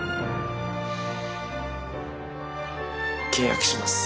契約します。